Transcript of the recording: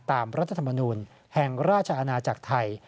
รัฐธรรมนูลแห่งราชอาณาจักรไทย